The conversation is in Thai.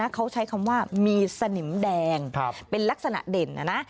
เขาใช้คำว่ามีสนิมแดงเป็นลักษณะเด่น